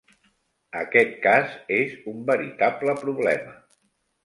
Aquest cas és un veritable problema.